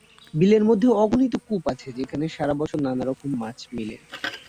বিলের মধ্যে অগণিত কূপ আছে যেখানে সারা বছর নানারকম মাছ মিলে।